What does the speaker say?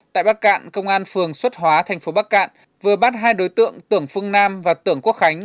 tại bắc cạn công an phường xuất hóa thành phố bắc cạn vừa bắt hai đối tượng tưởng phương nam và tưởng quốc khánh